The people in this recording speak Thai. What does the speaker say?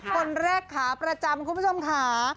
คนเลขขาประจำท์คุณผู้ชมขา